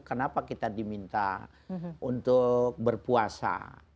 kenapa kita diminta untuk berpuasa